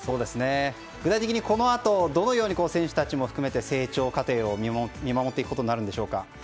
具体的にこのあとどのように選手たちも含めて成長過程を見守っていくことになるのでしょうか。